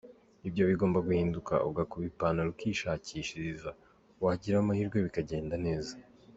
Ibyo bigomba guhinduka ugakuba ipantaro ukishakiriza, wagira amahirwe bikagenda neza.